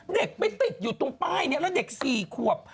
เด็กไม่ติดอยู่ตรงป้ายนี้แล้วเด็ก๔ขวบ